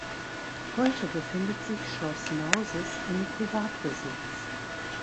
Heute befindet sich Schloß-Nauses in Privatbesitz.